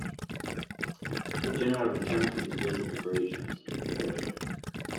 The General returns to his base of operations, Threshold.